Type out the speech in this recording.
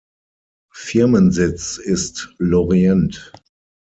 Firmensitz ist Lorient.